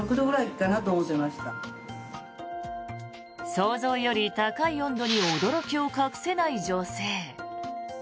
想像より高い温度に驚きを隠せない女性。